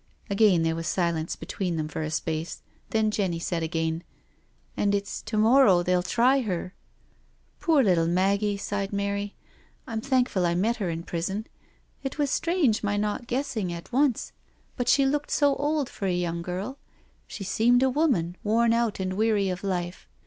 Again there was silence between them for a space, then Jenny said again: "And ifs to morrow they'll try her I" " Poor little Maggie/' sighed Mary. *' I'm thankful I met her in prison. It was strange my not guessing at once, but she looked so old for a young girl— she seemed a woman— worn out and weary of life.